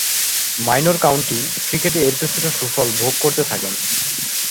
Minor county ক্রিকেটে এর কিছুটা সুফল ভোগ করতে থাকেন।